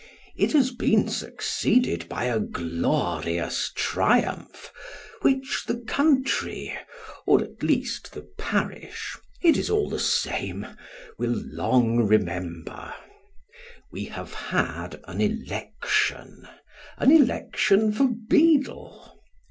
It has been succeeded by a glorious triumph, which the country or at least the parish it is all the same will long remem ber. We have had an election ; an election for beadle.